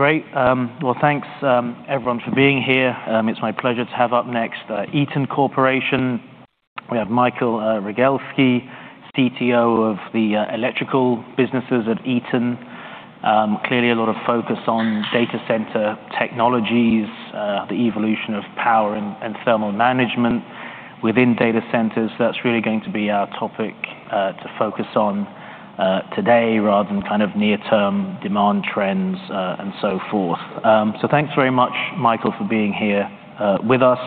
Great. Well, thanks, everyone, for being here. It's my pleasure to have up next, Eaton Corporation. We have Michael Regelski, CTO of the electrical businesses at Eaton. Clearly a lot of focus on data center technologies, the evolution of power and, and thermal management within data centers. That's really going to be our topic, to focus on, today, rather than kind of near-term demand trends, and so forth. So, thanks very much, Michael, for being here, with us.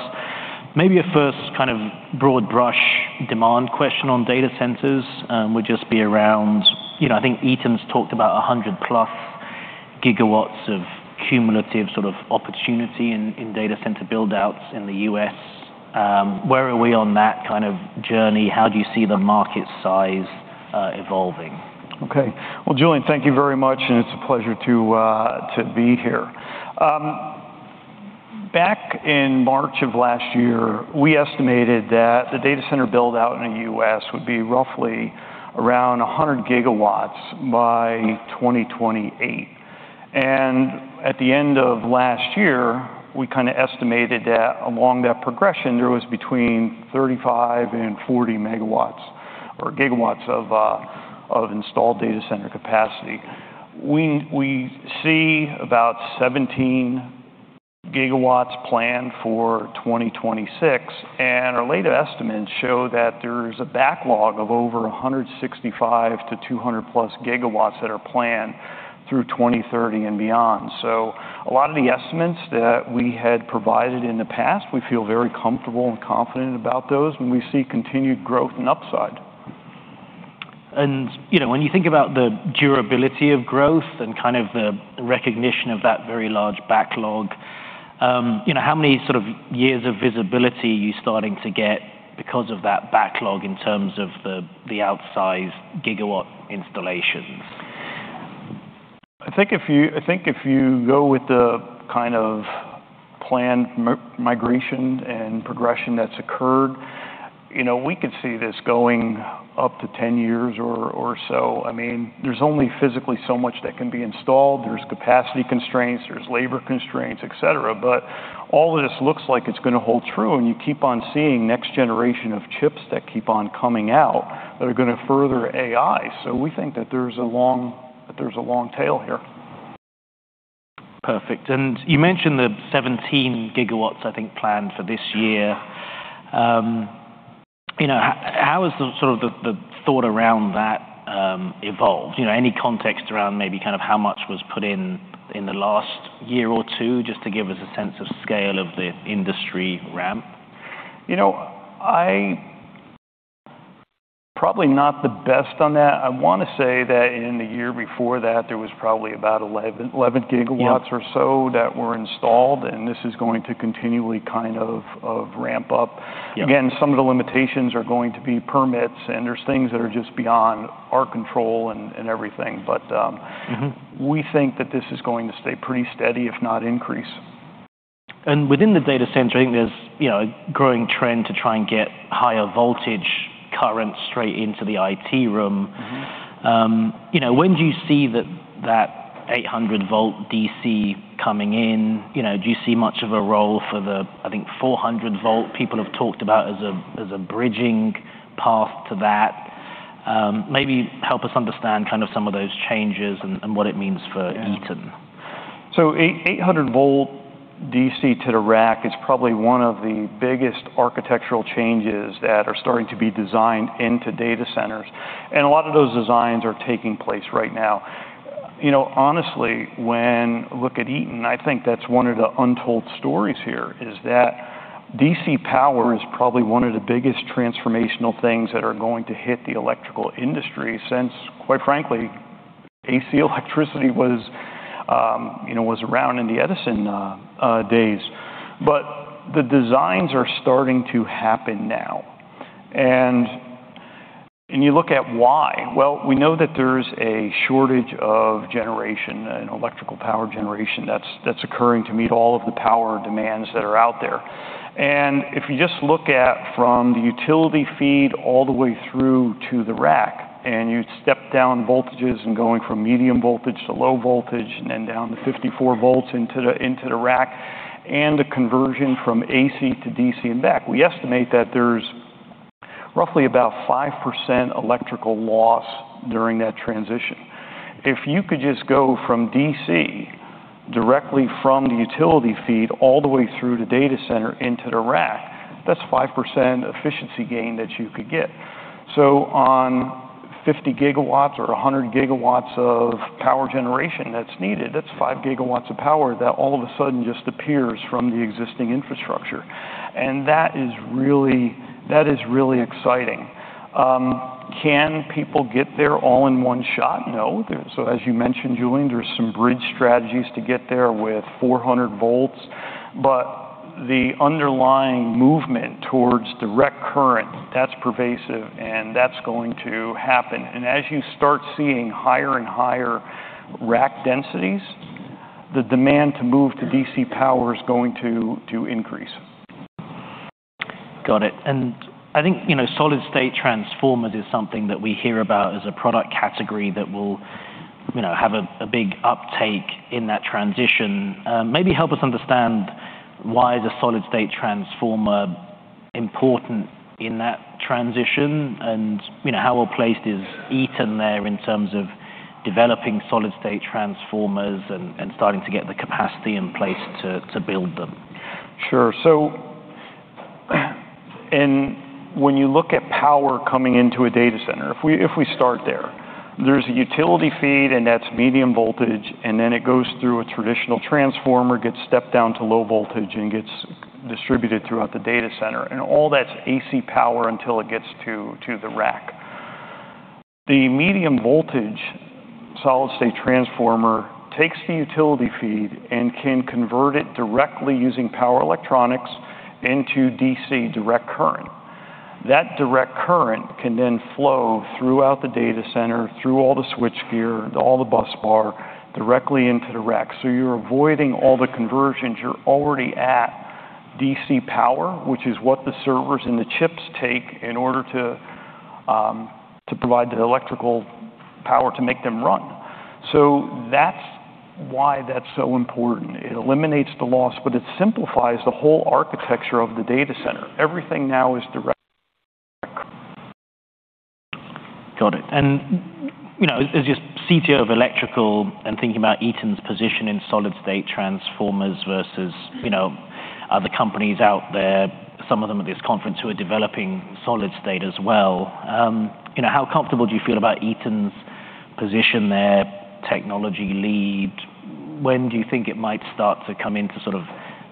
Maybe a first kind of broad-brush demand question on data centers, would just be around, you know, I think Eaton's talked about 100+ gigawatts of cumulative sort of opportunity in, in data center buildouts in the U.S. Where are we on that kind of journey? How do you see the market size, evolving? Okay. Well, Julian, thank you very much, and it's a pleasure to be here. Back in March of last year, we estimated that the data center build-out in the U.S. would be roughly around 100 GW by 2028. At the end of last year, we kinda estimated that along that progression, there was between 35 and 40 MW or GW of installed data center capacity. We see about 17 GW planned for 2026, and our later estimates show that there's a backlog of over 165-200+ GW that are planned through 2030 and beyond. A lot of the estimates that we had provided in the past, we feel very comfortable and confident about those, and we see continued growth and upside. You know, when you think about the durability of growth and kind of the recognition of that very large backlog, you know, how many sort of years of visibility are you starting to get because of that backlog in terms of the, the outsized gigawatt installations? I think if you go with the kind of planned migration and progression that's occurred, you know, we could see this going up to 10 years or so. I mean, there's only physically so much that can be installed. There's capacity constraints, there's labor constraints, et cetera, but all of this looks like it's gonna hold true, and you keep on seeing next generation of chips that keep on coming out that are gonna further AI. So, we think that there's a long, that there's a long tail here. Perfect. You mentioned the 17 GW I think, planned for this year. You know, how has the sort of the thought around that evolved? You know, any context around maybe kind of how much was put in in the last year or two, just to give us a sense of scale of the industry ramp? You know, probably not the best on that. I wanna say that in the year before that, there was probably about 11, 11 GW- Yeah or so that were installed, and this is going to continually kind of ramp up. Yeah. Again, some of the limitations are going to be permits, and there's things that are just beyond our control and, and everything, but, Mm-hmm... we think that this is going to stay pretty steady, if not increase. Within the data center, I think there's, you know, a growing trend to try and get higher voltage current straight into the IT room. Mm-hmm. You know, when do you see that, that 800-volt DC coming in? You know, do you see much of a role for the, I think, 400-volt people have talked about as a, as a bridging path to that? Maybe help us understand kind of some of those changes and, and what it means for Eaton. Yeah. So, 800-volt DC to the rack is probably one of the biggest architectural changes that are starting to be designed into data centers, and a lot of those designs are taking place right now. You know, honestly, when look at Eaton, I think that's one of the untold stories here, is that DC power is probably one of the biggest transformational things that are going to hit the electrical industry since, quite frankly, AC electricity was, you know, was around in the Edison days. But the designs are starting to happen now. And you look at why. Well, we know that there's a shortage of generation, you know, electrical power generation, that's occurring to meet all of the power demands that are out there. And if you just look at from the utility feed all the way through to the rack, and you step down voltages and going from medium voltage to low voltage, and then down to 54 volts into the, into the rack, and the conversion from AC to DC and back, we estimate that there's roughly about 5% electrical loss during that transition. If you could just go from DC, directly from the utility feed, all the way through the data center into the rack, that's 5% efficiency gain that you could get. So, on 50 GW or 100 GW of power generation that's needed, that's 5 GW of power that all of a sudden just appears from the existing infrastructure. And that is really, that is really exciting. Can people get there all in one shot? No. As you mentioned, Julian, there's some bridge strategies to get there with 400 volts, but the underlying movement towards direct current, that's pervasive, and that's going to happen. As you start seeing higher and higher rack densities, the demand to move to DC power is going to increase. Got it. And I think, you know, solid-state transformers is something that we hear about as a product category that will, you know, have a big uptake in that transition. Maybe help us understand why the solid-state transformer important in that transition, and, you know, how well-placed is Eaton there in terms of developing solid-state transformers and starting to get the capacity in place to build them? Sure. So, when you look at power coming into a data center, if we start there, there's a utility feed, and that's medium voltage, and then it goes through a traditional transformer, gets stepped down to low voltage, and gets distributed throughout the data center, and all that's AC power until it gets to the rack. The medium voltage solid-state transformer takes the utility feed and can convert it directly using power electronics into DC, direct current. That direct current can then flow throughout the data center, through all the switchgear, all the busbar, directly into the rack. So, you're avoiding all the conversions. You're already at DC power, which is what the servers and the chips take in order to provide the electrical power to make them run. So, that's why that's so important. It eliminates the loss, but it simplifies the whole architecture of the data center. Everything now is direct. Got it. And, you know, as CTO of Electrical and thinking about Eaton's position in solid-state transformers versus, you know, other companies out there, some of them at this conference, who are developing solid state as well, you know, how comfortable do you feel about Eaton's position there, technology lead? When do you think it might start to come into sort of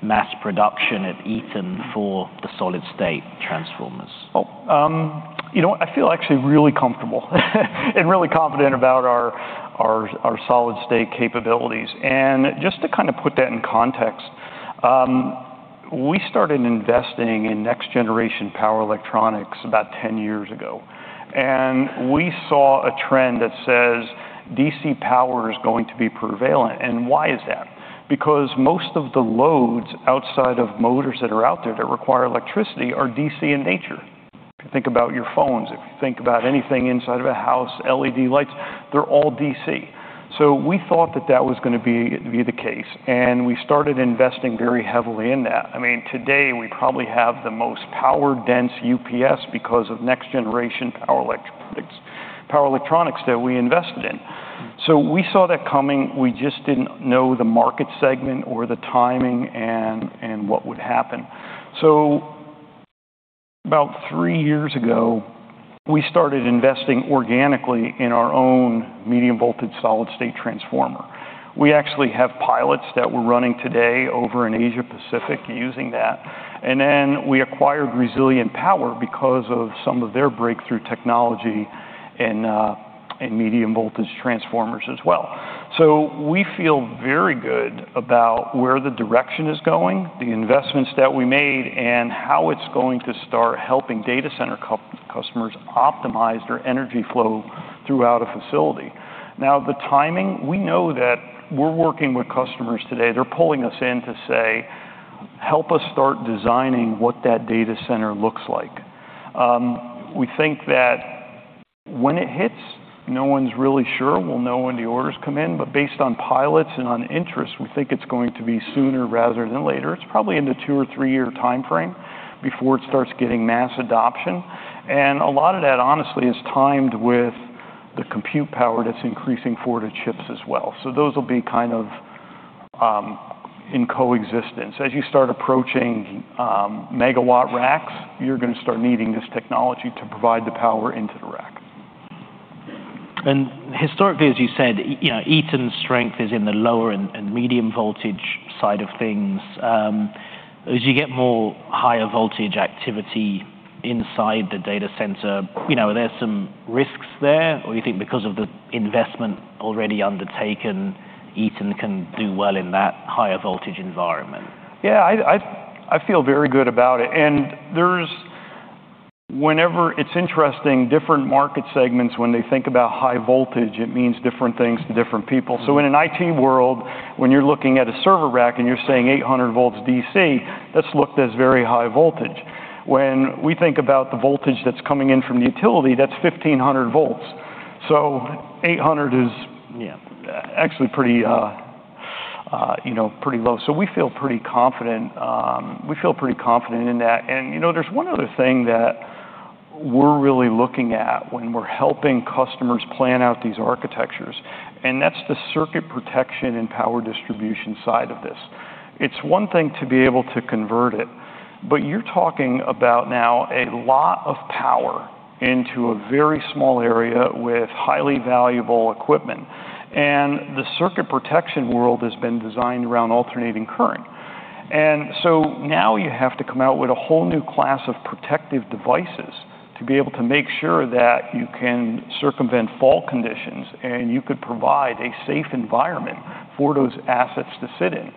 mass production at Eaton for the solid-state transformers? You know what? I feel actually really comfortable, and really confident about our solid-state capabilities. Just to kind of put that in context, we started investing in next-generation power electronics about 10 years ago, and we saw a trend that says DC power is going to be prevalent. Why is that? Because most of the loads outside of motors that are out there that require electricity are DC in nature. If you think about your phones, if you think about anything inside of a house, LED lights, they're all DC. So, we thought that that was going to be the case, and we started investing very heavily in that. I mean, today, we probably have the most power-dense UPS because of next-generation power electronics, power electronics that we invested in. So, we saw that coming. We just didn't know the market segment or the timing and, and what would happen. So, about 3 years ago, we started investing organically in our own medium-voltage solid-state transformer. We actually have pilots that we're running today over in Asia Pacific using that, and then we acquired Resilient Power because of some of their breakthrough technology in medium-voltage transformers as well. So, we feel very good about where the direction is going, the investments that we made, and how it's going to start helping data center customers optimize their energy flow throughout a facility. Now, the timing, we know that we're working with customers today. They're pulling us in to say, "Help us start designing what that data center looks like." We think that when it hits, no one's really sure. We'll know when the orders come in, but based on pilots and on interest, we think it's going to be sooner rather than later. It's probably in the 2- or 3-year timeframe before it starts getting mass adoption, and a lot of that, honestly, is timed with the compute power that's increasing for the chips as well. So, those will be kind of in coexistence. As you start approaching megawatt racks, you're going to start needing this technology to provide the power into the rack. Historically, as you said, you know, Eaton's strength is in the lower and medium voltage side of things. As you get more higher voltage activity inside the data center, you know, are there some risks there, or you think because of the investment already undertaken, Eaton can do well in that higher voltage environment? Yeah, I feel very good about it. And there's... Whenever... It's interesting, different market segments, when they think about high voltage, it means different things to different people. So, in an IT world, when you're looking at a server rack and you're saying 800 volts DC, that's looked as very high voltage. When we think about the voltage that's coming in from the utility, that's 1,500 volts. So, 800 is- Yeah... actually pretty, you know, pretty low. So, we feel pretty confident, we feel pretty confident in that. And, you know, there's one other thing that we're really looking at when we're helping customers plan out these architectures, and that's the circuit protection and power distribution side of this. It's one thing to be able to convert it, but you're talking about now a lot of power into a very small area with highly valuable equipment, and the circuit protection world has been designed around alternating current. And so, now you have to come out with a whole new class of protective devices to be able to make sure that you can circumvent fault conditions, and you could provide a safe environment for those assets to sit in.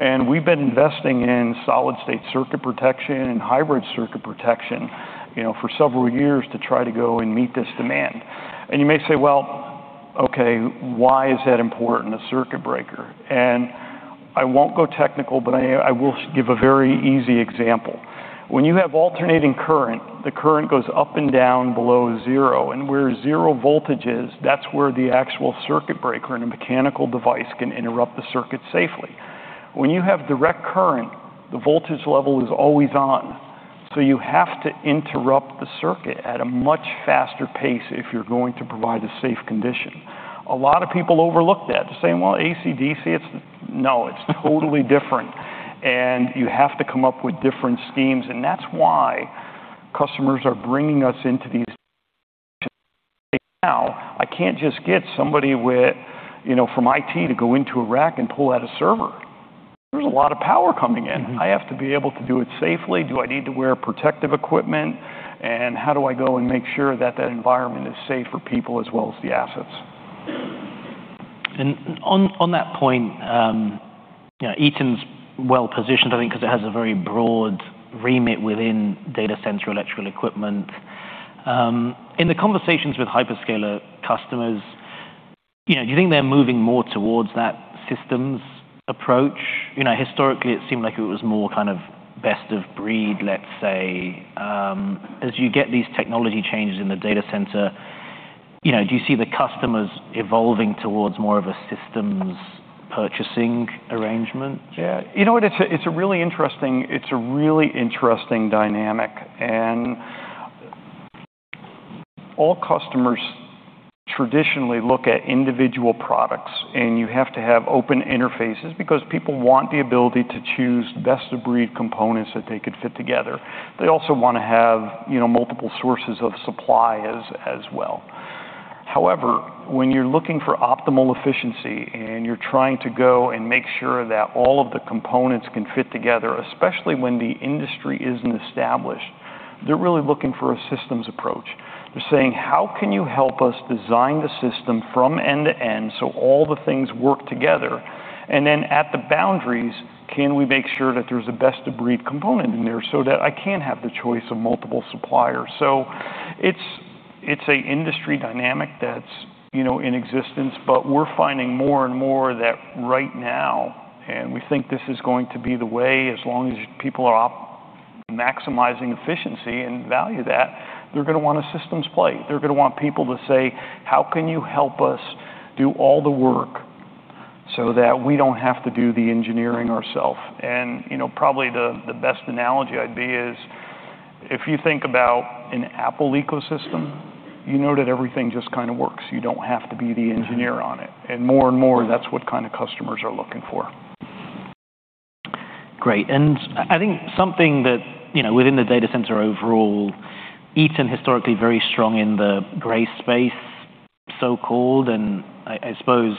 And we've been investing in solid-state circuit protection and hybrid circuit protection, you know, for several years to try to go and meet this demand. And you may say, "Well, okay, why is that important, a circuit breaker?" And I won't go technical, but I will give a very easy example. When you have alternating current, the current goes up and down below zero, and where zero voltage is, that's where the actual circuit breaker and a mechanical device can interrupt the circuit safely. When you have direct current, the voltage level is always on, so you have to interrupt the circuit at a much faster pace if you're going to provide a safe condition. A lot of people overlook that, saying, "Well, AC, DC, it's..." No, it's totally different, and you have to come up with different schemes, and that's why customers are bringing us into these. Now, I can't just get somebody with, you know, from IT to go into a rack and pull out a server. There's a lot of power coming in. Mm-hmm. I have to be able to do it safely. Do I need to wear protective equipment? How do I go and make sure that that environment is safe for people as well as the assets? On that point, you know, Eaton's well-positioned, I think, 'cause it has a very broad remit within data center electrical equipment. In the conversations with hyperscaler customers, you know, do you think they're moving more towards that systems approach? You know, historically, it seemed like it was more kind of best of breed, let's say. As you get these technology changes in the data center, you know, do you see the customers evolving towards more of a systems purchasing arrangement? Yeah. You know what? It's a, it's a really interesting, it's a really interesting dynamic, and all customers traditionally look at individual products, and you have to have open interfaces because people want the ability to choose best-of-breed components that they could fit together. They also want to have, you know, multiple sources of supply as, as well. However, when you're looking for optimal efficiency, and you're trying to go and make sure that all of the components can fit together, especially when the industry isn't established, they're really looking for a systems approach. They're saying: How can you help us design the system from end to end so all the things work together? And then at the boundaries, can we make sure that there's a best-of-breed component in there so that I can have the choice of multiple suppliers? So, it's an industry dynamic that's, you know, in existence, but we're finding more and more that right now, and we think this is going to be the way, as long as people are maximizing efficiency and value, that they're gonna want a systems play. They're gonna want people to say: How can you help us do all the work so that we don't have to do the engineering ourselves? And, you know, probably the best analogy I'd say is if you think about an Apple ecosystem, you know that everything just kind of works. You don't have to be the engineer on it. Mm-hmm. More and more, that's what kind of customers are looking for. Great. And I think something that, you know, within the data center overall, Eaton historically very strong in the gray space, so-called, and I suppose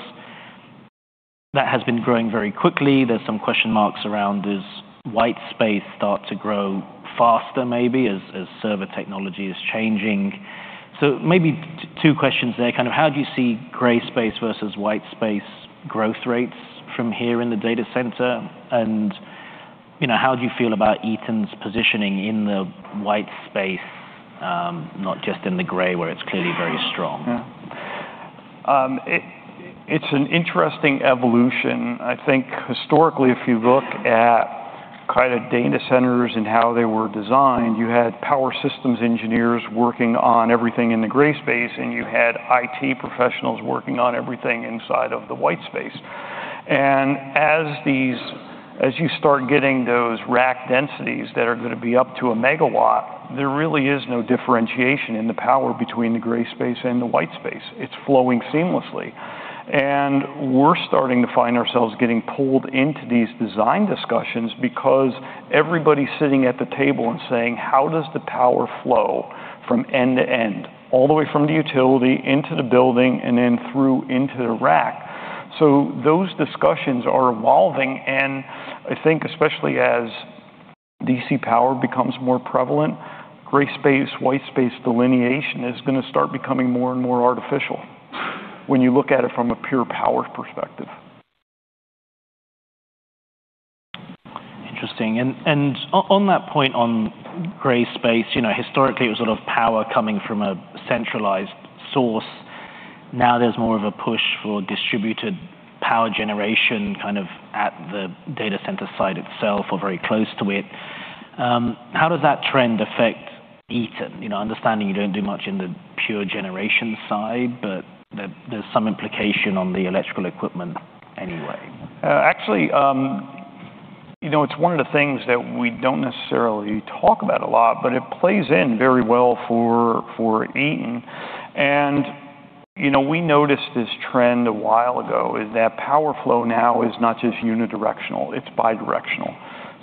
that has been growing very quickly. There's some question marks around, does white space start to grow faster, maybe, as server technology is changing? So, maybe two questions there. Kind of how do you see gray space versus white space growth rates from here in the data center? And, you know, how do you feel about Eaton's positioning in the white space, not just in the gray space, where it's clearly very strong? Yeah. It's an interesting evolution. I think historically, if you look at kind of data centers and how they were designed, you had power systems engineers working on everything in the gray space, and you had IT professionals working on everything inside of the white space. As you start getting those rack densities that are gonna be up to 1 MW, there really is no differentiation in the power between the gray space and the white space. It's flowing seamlessly. We're starting to find ourselves getting pulled into these design discussions because everybody's sitting at the table and saying: How does the power flow from end to end, all the way from the utility into the building and then through into the rack? So, those discussions are evolving, and I think especially as DC power becomes more prevalent, gray space, white space delineation is gonna start becoming more and more artificial when you look at it from a pure power perspective. Interesting. And on that point on gray space, you know, historically, it was sort of power coming from a centralized source. Now there's more of a push for distributed power generation, kind of at the data center site itself or very close to it. How does that trend affect Eaton? You know, understanding you don't do much in the pure generation side, but there, there's some implication on the electrical equipment anyway. Actually, you know, it's one of the things that we don't necessarily talk about a lot, but it plays in very well for Eaton. And, you know, we noticed this trend a while ago, is that power flow now is not just unidirectional, it's bidirectional.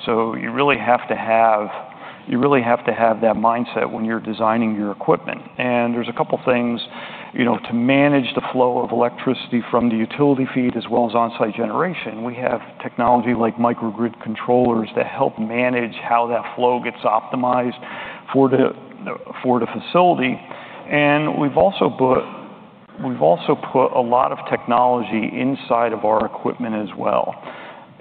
So, you really have to have that mindset when you're designing your equipment. And there's a couple things, you know, to manage the flow of electricity from the utility feed as well as on-site generation. We have technology like microgrid controllers that help manage how that flow gets optimized for the facility, and we've also put a lot of technology inside of our equipment as well.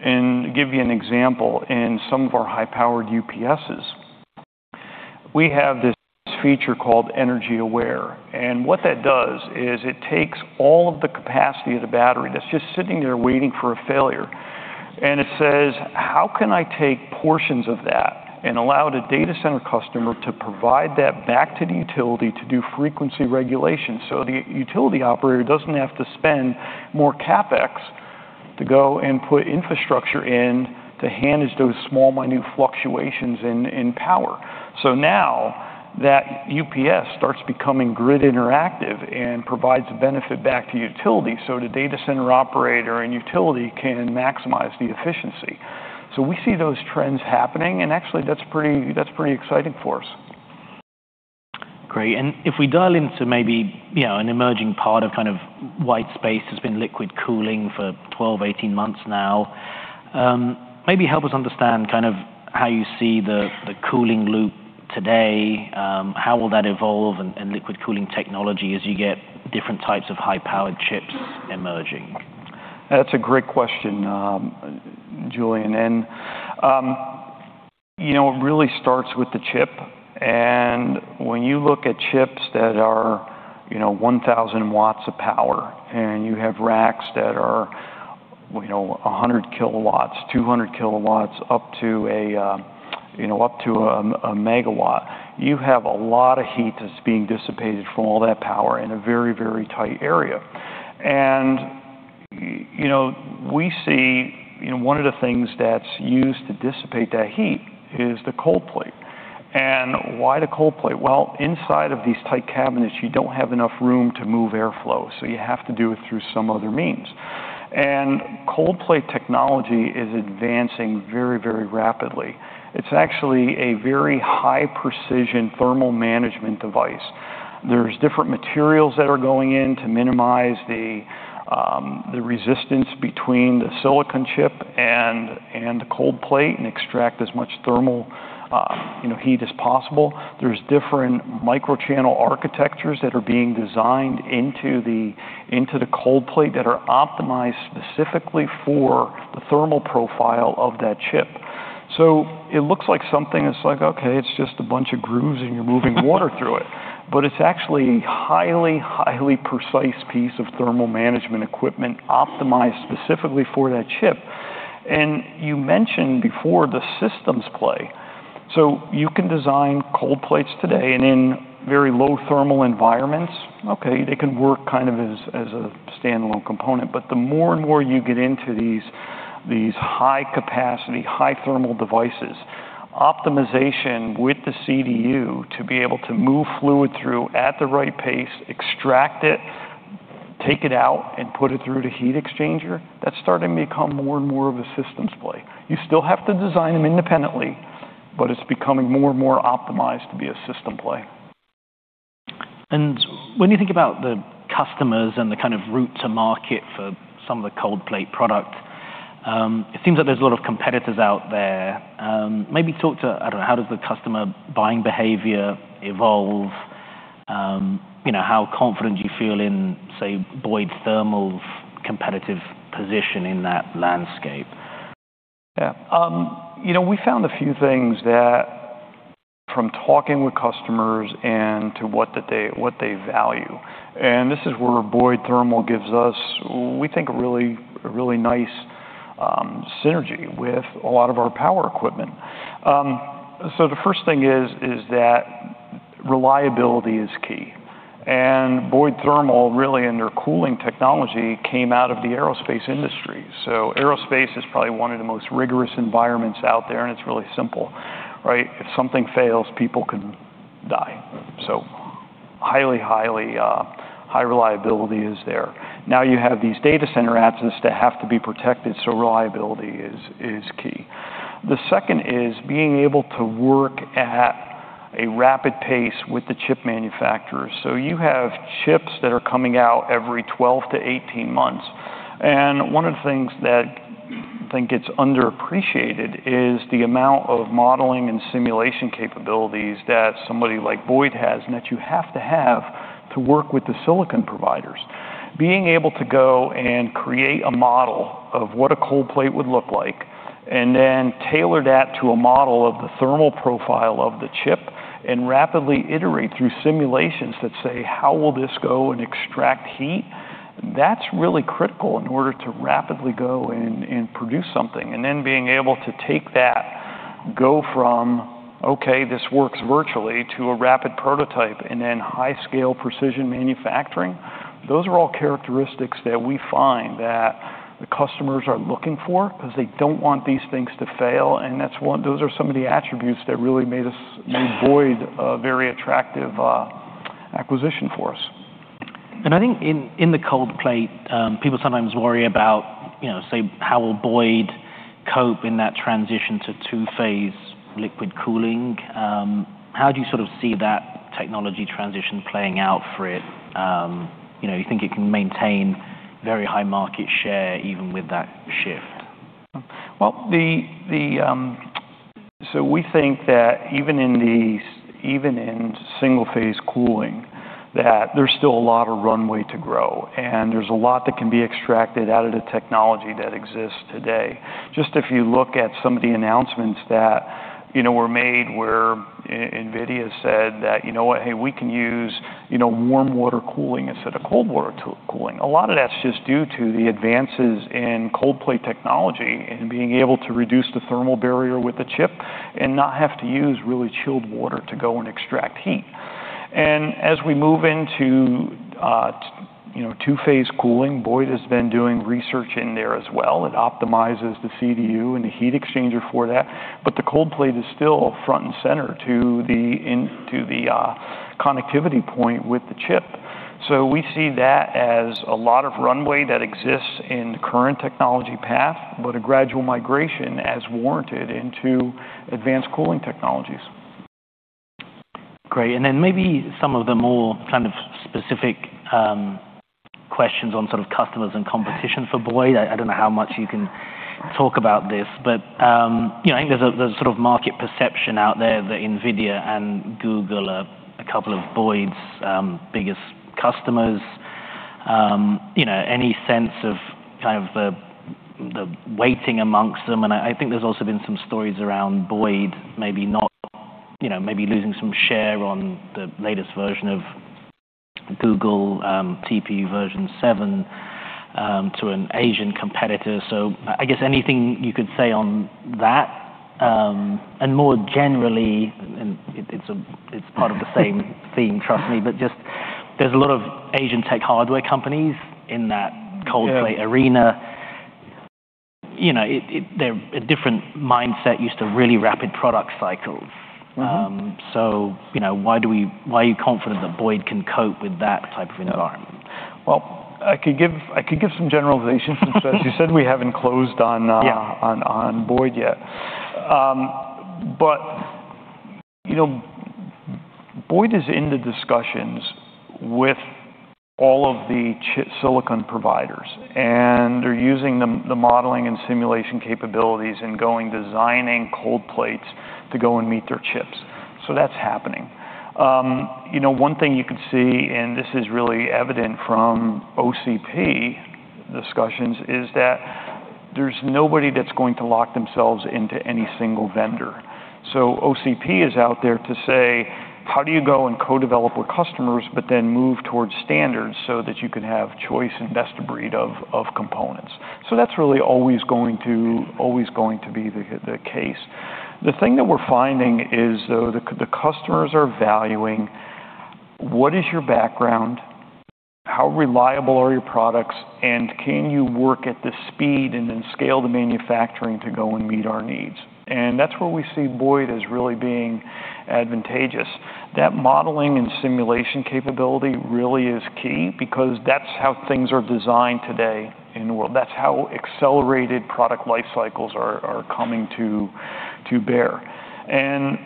And give you an example, in some of our high-powered UPSs... We have this feature called EnergyAware, and what that does is it takes all of the capacity of the battery that's just sitting there waiting for a failure, and it says: How can I take portions of that and allow the data center customer to provide that back to the utility to do frequency regulation so the utility operator doesn't have to spend more CapEx to go and put infrastructure in to manage those small, minute fluctuations in power? So, now that UPS starts becoming grid interactive and provides a benefit back to utility, so the data center operator and utility can maximize the efficiency. So, we see those trends happening, and actually, that's pretty, that's pretty exciting for us. Great. If we dial into maybe, you know, an emerging part of kind of white space has been liquid cooling for 12-18 months now. Maybe help us understand kind of how you see the cooling loop today, how will that evolve and liquid cooling technology as you get different types of high-powered chips emerging? That's a great question, Julian. You know, it really starts with the chip. When you look at chips that are, you know, 1,000 W of power, and you have racks that are, you know, 100 kW, 200 kW, up to, you know, up to 1 MW, you have a lot of heat that's being dissipated from all that power in a very, very tight area. You know, we see, you know, one of the things that's used to dissipate that heat is the cold plate. And why the cold plate? Well, inside of these tight cabinets, you don't have enough room to move airflow, so, you have to do it through some other means. And cold plate technology is advancing very, very rapidly. It's actually a very high-precision thermal management device. There's different materials that are going in to minimize the resistance between the silicon chip and the cold plate and extract as much thermal you know heat as possible. There's different microchannel architectures that are being designed into the into the cold plate that are optimized specifically for the thermal profile of that chip. So, it looks like something that's like okay it's just a bunch of grooves and you're moving water through it. But it's actually a highly highly precise piece of thermal management equipment optimized specifically for that chip. And you mentioned before the systems play. So, you can design cold plates today and in very low thermal environments. Okay, they can work kind of as, as a standalone component, but the more and more you get into these, these high capacity, high thermal devices, optimization with the CDU to be able to move fluid through at the right pace, extract it, take it out, and put it through the heat exchanger, that's starting to become more and more of a systems play. You still have to design them independently, but it's becoming more and more optimized to be a system play. When you think about the customers and the kind of route to market for some of the cold plate product, it seems like there's a lot of competitors out there. Maybe... I don't know, how does the customer buying behavior evolve? You know, how confident do you feel in, say, Boyd Thermal's competitive position in that landscape? Yeah. You know, we found a few things that from talking with customers and what they value, and this is where Boyd Thermal gives us, we think, a really, a really nice synergy with a lot of our power equipment. So, the first thing is that reliability is key, and Boyd Thermal, really, in their cooling technology, came out of the aerospace industry. Mm-hmm. So, aerospace is probably one of the most rigorous environments out there, and it's really simple, right? If something fails, people can die. So, highly, highly high reliability is there. Now, you have these data center apps that have to be protected, so reliability is, is key. The second is being able to work at a rapid pace with the chip manufacturers. So, you have chips that are coming out every 12-18 months, and one of the things that I think it's underappreciated is the amount of modeling and simulation capabilities that somebody like Boyd has, and that you have to have to work with the silicon providers. Being able to go and create a model of what a cold plate would look like, and then tailor that to a model of the thermal profile of the chip, and rapidly iterate through simulations that say: How will this go and extract heat? That's really critical in order to rapidly go and produce something. And then being able to take that, go from, okay, this works virtually, to a rapid prototype and then high-scale precision manufacturing. Those are all characteristics that we find that the customers are looking for, 'cause they don't want these things to fail, and those are some of the attributes that really made us, made Boyd a very attractive acquisition for us. I think in the cold plate, people sometimes worry about, you know, say, how will Boyd cope in that transition to two-phase liquid cooling? How do you sort of see that technology transition playing out for it? You know, you think it can maintain very high market share even with that shift? Well, so we think that even in single-phase cooling that there's still a lot of runway to grow, and there's a lot that can be extracted out of the technology that exists today. Just if you look at some of the announcements that, you know, were made, where, NVIDIA said that, "You know what? Hey, we can use, you know, warm water cooling instead of cold water cooling." A lot of that's just due to the advances in cold plate technology and being able to reduce the thermal barrier with the chip and not have to use really chilled water to go and extract heat. And as we move into, you know, two-phase cooling, Boyd has been doing research in there as well. It optimizes the CDU and the heat exchanger for that, but the cold plate is still front and center to the connectivity point with the chip. So, we see that as a lot of runway that exists in the current technology path, but a gradual migration as warranted into advanced cooling technologies. Great. And then maybe some of the more kind of specific questions on sort of customers and competition for Boyd. I don't know how much you can talk about this, but, you know, I think there's a, there's sort of market perception out there that NVIDIA and Google are a couple of Boyd's, biggest customers. You know, any sense of kind of the, the weighting amongst them? And I think there's also been some stories around Boyd, maybe not, you know, maybe losing some share on the latest version of Google, TPU version 7, to an Asian competitor. So, I guess anything you could say on that, and more generally, and it's part of the same theme, trust me, but just there's a lot of Asian tech hardware companies in that cold plate- Yeah Arena. You know, it... they're a different mindset, used to really rapid product cycles. Mm-hmm. So, you know, why are you confident that Boyd can cope with that type of environment? Well, I could give, I could give some generalizations. As you said, we haven't closed on- Yeah... on Boyd yet. But, you know, Boyd is in the discussions with all of the chip silicon providers, and they're using the modeling and simulation capabilities and going designing cold plates to go and meet their chips. So, that's happening. You know, one thing you could see, and this is really evident from OCP discussions, is that there's nobody that's going to lock themselves into any single vendor. So, OCP is out there to say: How do you go and co-develop with customers, but then move towards standards so that you can have choice and best breed of components? So, that's really always going to be the case. The thing that we're finding is, though, the customers are valuing what is your background? How reliable are your products? Can you work at the speed and then scale the manufacturing to go and meet our needs? And that's where we see Boyd as really being advantageous. That modeling and simulation capability really is key because that's how things are designed today in the world. That's how accelerated product life cycles are coming to bear. And,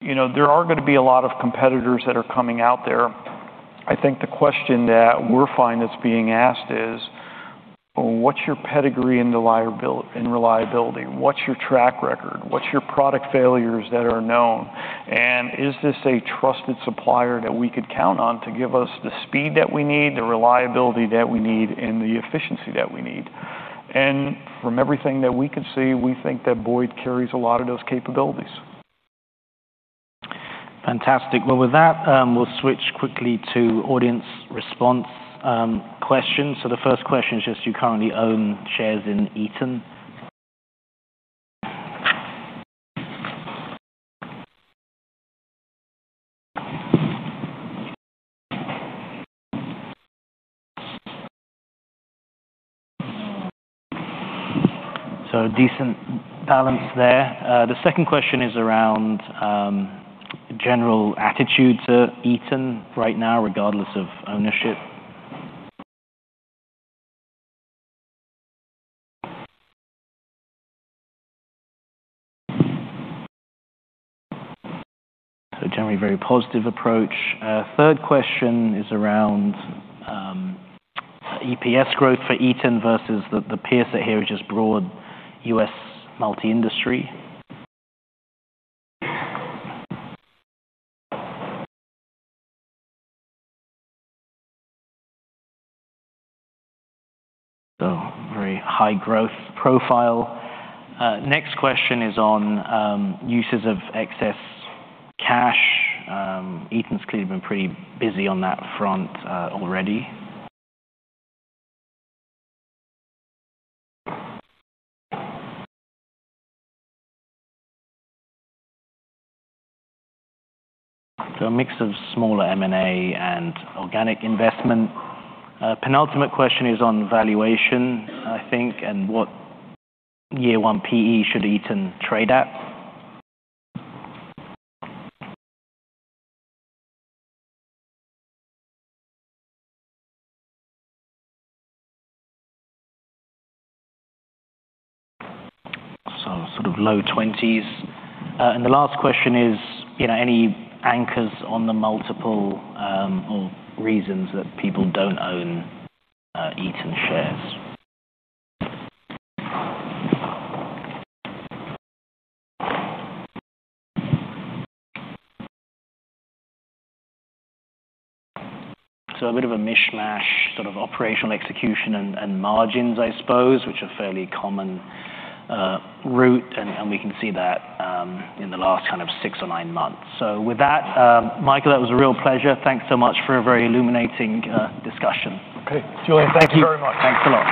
you know, there are gonna be a lot of competitors that are coming out there. I think the question that we're finding that's being asked is: What's your pedigree and reliability, and reliability? What's your track record? What's your product failures that are known? And is this a trusted supplier that we could count on to give us the speed that we need, the reliability that we need, and the efficiency that we need? And from everything that we could see, we think that Boyd carries a lot of those capabilities. Fantastic. Well, with that, we'll switch quickly to audience response questions. The first question is just: You currently own shares in Eaton. A decent balance there. The second question is around general attitude to Eaton right now, regardless of ownership. Generally, a very positive approach. Third question is around EPS growth for Eaton versus the peer set here, which is broad U.S. multi-industry. Very high growth profile. Next question is on uses of excess cash. Eaton's clearly been pretty busy on that front, already. A mix of smaller M&A and organic investment. Penultimate question is on valuation, I think, and what year 1 PE should Eaton trade at? Sort of low 20s. And the last question is, you know, any anchors on the multiple, or reasons that people don't own Eaton shares? So, a bit of a mishmash, sort of operational execution and margins, I suppose, which are fairly common route, and we can see that in the last kind of 6 or 9 months. So, with that, Michael, that was a real pleasure. Thank you so much for a very illuminating discussion. Okay, Julian, thank you very much. Thanks a lot.